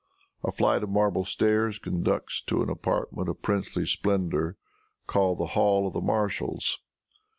A flight of marble stairs conducts to an apartment of princely splendor, called the hall of the Marshals.